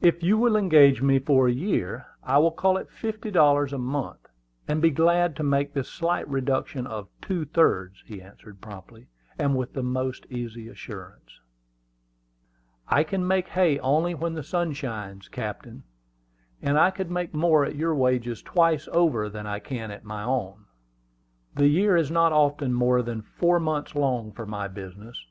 "If you will engage me for a year, I will call it fifty dollars a month, and be glad to make this slight reduction of two thirds," he answered promptly, and with the most easy assurance. "I can make hay only when the sun shines, captain; and I could make more at your wages twice over than I can at my own. The year is not often more than four months long for my business.